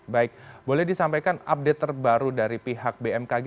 baik boleh disampaikan update terbaru dari pihak bmkg